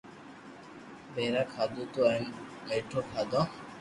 پآزا کاڌو تو ھين ميٺو کادو